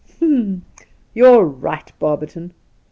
H'm ! You're right, Barberton